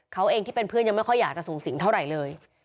เขาเองที่เป็นเพื่อนยังไม่ค่อยอยากจะสูงสิงเท่าไหร่เลย